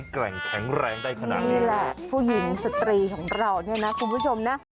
ค่ะค่ะนี่แหละผู้หญิงสตรีของเราเนี่ยนะคุณผู้ชมนะ